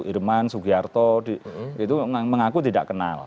irman sugiarto itu mengaku tidak kenal